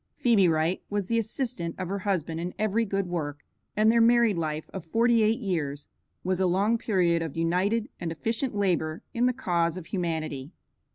Phebe Wright was the assistant of her husband in every good work, and their married life of forty eight years was a long period of united and efficient labor in the cause of humanity.